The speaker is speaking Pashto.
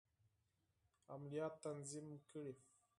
عملیات تنظیم کړي.